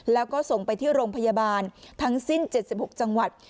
แล้วก็ส่งไปที่โรงพยาบาลทั้งสิ้น๗๖จังหวัด